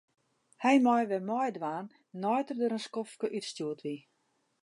Hy mei wer meidwaan nei't er der in skoftke útstjoerd wie.